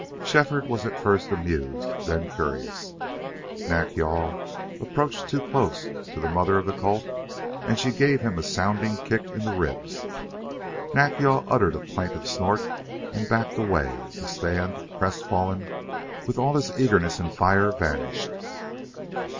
Shefford was at first amused, then curious. Nack yal approached too close to the mother of the colt, and she gave him a sounding kick in the ribs. Nack yal uttered a plaintive snort and backed away, to stand, crestfallen, with all his eagerness and fire vanished.